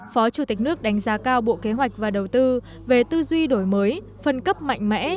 phó chủ tịch nước đánh giá cao bộ kế hoạch và đầu tư về tư duy đổi mới phân cấp mạnh mẽ